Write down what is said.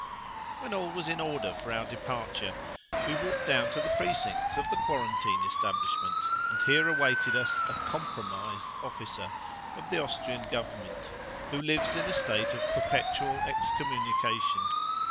When all was in order for our departure we walked down to the precincts of the quarantine establishment, and here awaited us a "compromised" officer of the Austrian Government, who lives in a state of perpetual excommunication.